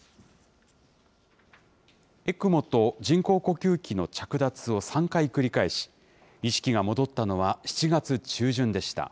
ＥＣＭＯと人工呼吸器の着脱を３回繰り返し、意識が戻ったのは７月中旬でした。